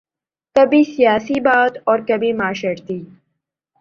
کبھی سیاسی بت اور کبھی معاشرتی